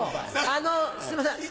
あのすいません